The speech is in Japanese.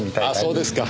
あそうですか。